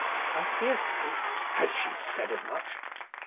"I fear so." "Has she said as much?"